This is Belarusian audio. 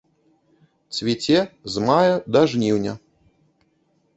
Цвіце з мая да жніўня.